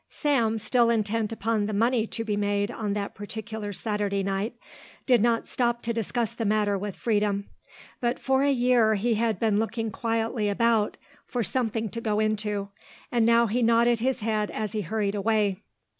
Sam, still intent upon the money to be made on that particular Saturday night, did not stop to discuss the matter with Freedom, but for a year he had been looking quietly about for something to go into and now he nodded his head as he hurried away.